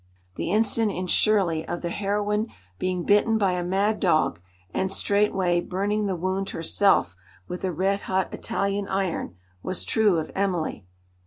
The incident in Shirley of the heroine being bitten by a mad dog, and straightway burning the wound herself with a red hot Italian iron, was true of Emily.